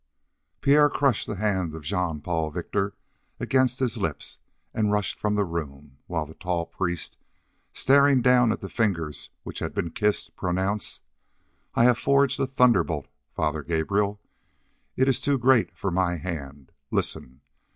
Pierre crushed the hand of Jean Paul Victor against his lips and rushed from the room, while the tall priest, staring down at the fingers which had been kissed, pronounced: "I have forged a thunderbolt, Father Gabrielle. It is too great for my hand. Listen!"